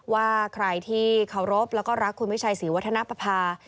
ว่าใครที่เคารพแล้วก็รักคุณวิชัยศรีวัฒนปภา